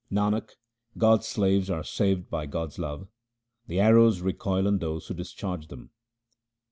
Nanak, God's slaves are saved by God's love : the arrows recoil on those who discharged them.